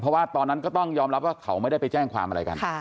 เพราะว่าตอนนั้นก็ต้องยอมรับว่าเขาไม่ได้ไปแจ้งความอะไรกัน